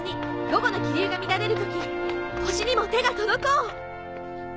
午後の気流が乱れる時星にも手が届こう」。